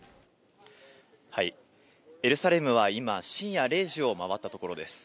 エルサレムは今、深夜０時を回ったところです。